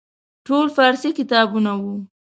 ټول فارسي کتابونه وو.